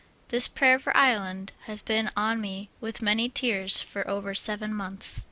This pra^^er for Ireland has been on me with many tears for over seven months.